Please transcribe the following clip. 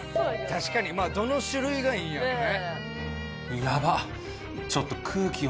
確かにまあどの種類が良いんやろね。